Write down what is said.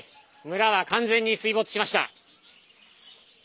村は完全に水没しました。